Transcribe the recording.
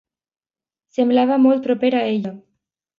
Semblava molt proper a ella.